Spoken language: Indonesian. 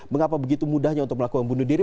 mengapa begitu mudahnya untuk melakukan bunuh diri